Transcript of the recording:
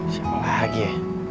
siapa lagi ya